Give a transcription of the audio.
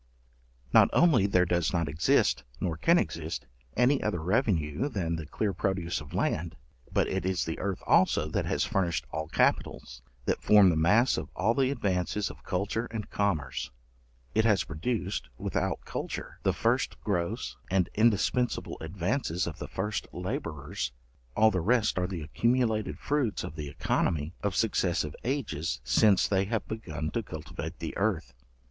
Not only there does not exist, nor can exist, any other revenue than the clear produce of land, but it is the earth also that has furnished all capitals, that form the mass of all the advances of culture and commerce. It has produced, without culture, the first gross and indispensible advances of the first labourers; all the rest are the accumulated fruits of the œconomy of successive ages, since they have begun to cultivate the earth.